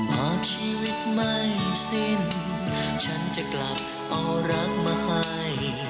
หากชีวิตไม่สิ้นแฟนฉันจะกลับเอารักมาให้